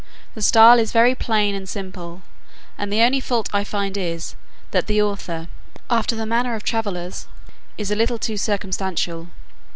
The style is very plain and simple; and the only fault I find is, that the author, after the manner of travellers, is a little too circumstantial.